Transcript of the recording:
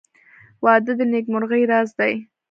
• واده د نېکمرغۍ راز دی.